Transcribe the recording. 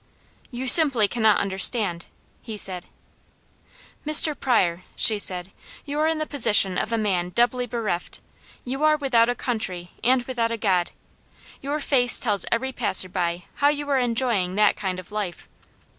"You simply cannot understand!" he said. "Mr. Pryor," she said, "you're in the position of a man doubly bereft. You are without a country, and without a God. Your face tells every passer by how you are enjoying that kind of life.